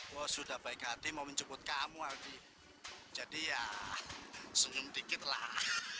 wah sudah baik hati mau menjemput kamu aldi jadi ya senyum dikit lah